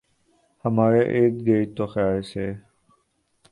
ہمارے اردگرد تو خیر سے